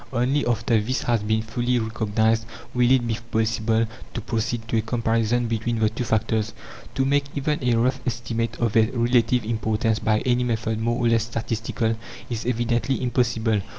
Only after this has been fully recognized will it be possible to proceed to a comparison between the two factors. To make even a rough estimate of their relative importance by any method more or less statistical, is evidently impossible.